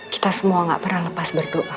kita semua nggak pernah lepas berdoa kan